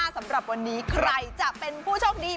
สำหรับวันนี้ใครจะเป็นผู้โชคดี